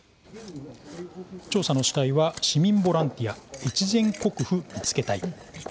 調査の主体は、市民ボランティア越前国府見つけ隊。